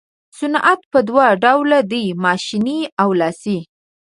صنعت په دوه ډوله دی ماشیني او لاسي.